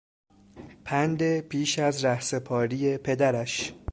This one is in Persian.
پند پیش از رهسپاری پدرش